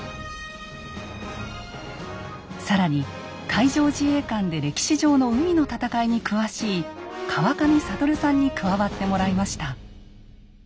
更に海上自衛官で歴史上の海の戦いに詳しい川上智さんに加わってもらいました。